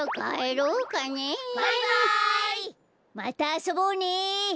またあそぼうね！